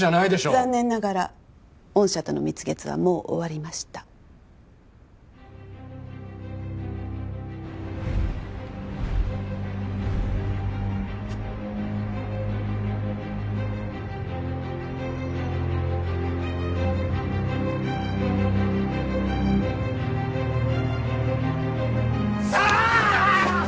残念ながら御社との蜜月はもう終わりましたクソーッ！